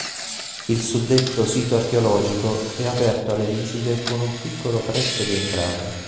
Il suddetto sito archeologico è aperto alle visite con un piccolo prezzo di entrata.